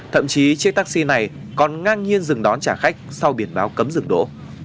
thậm chí chiếc taxi này còn ngang nhiên dừng đón trả khách sau biển báo cấm dừng đỗ